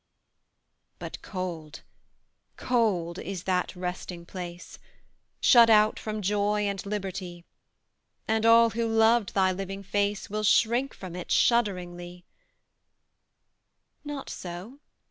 But cold cold is that resting place, Shut out from joy and liberty, And all who loved thy living face Will shrink from it shudderingly, "Not so.